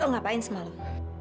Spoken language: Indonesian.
lo ngapain semalam